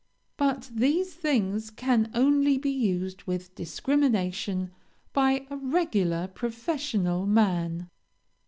But these things can only be used with discrimination by a regular professional man.